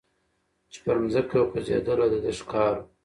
چي پر مځکه خوځېدله د ده ښکار وو